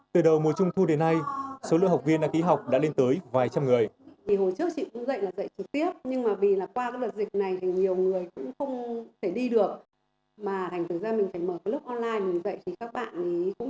từ đầu mùa trung thu đến nay số lượng học viên đã ký học đã lên tới vài tr resolutions